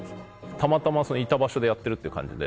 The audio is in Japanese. たまたまいた場所でやってるっていう感じで。